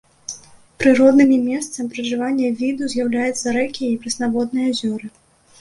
Прыроднымі месцам пражывання віду з'яўляюцца рэкі і прэснаводныя азёры.